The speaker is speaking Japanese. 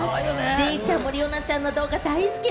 デイちゃんも理央奈ちゃんの動画大好き。